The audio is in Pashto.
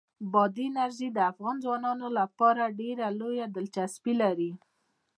بادي انرژي د افغان ځوانانو لپاره ډېره لویه دلچسپي لري.